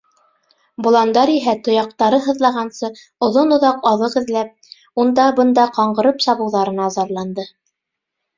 Боландар иһә тояҡтары һыҙлағансы оҙон-оҙаҡ аҙыҡ эҙләп, унда-бында ҡаңғырып сабыуҙарына зарланды.